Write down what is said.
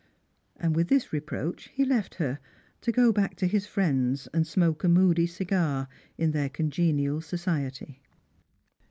And with this reproach he left her, to go back to his frienda and smoke a moody cigar in their congenial society.